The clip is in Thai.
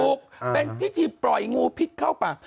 เป็นพิธีปล่อยงูพิษเข้าป่า